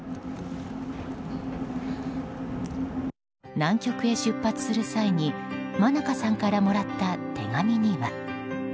南極へ出発する際に愛加さんからもらった手紙には。